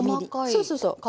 そうそうそう。